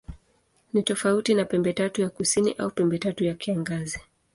Ni tofauti na Pembetatu ya Kusini au Pembetatu ya Kiangazi.